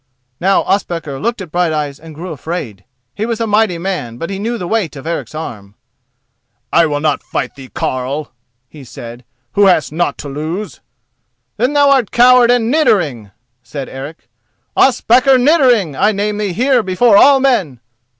Now Ospakar looked at Brighteyes and grew afraid. He was a mighty man, but he knew the weight of Eric's arm. "I will not fight with thee, carle," he said, "who hast naught to lose." "Then thou art coward and niddering!" said Eric. "Ospakar Niddering I name thee here before all men!